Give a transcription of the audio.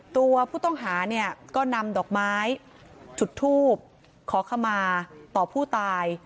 ตัวผู้ต้องหาเนี่ยก็นำดอกไม้จุดทูบขอขมาต่อผู้ตาย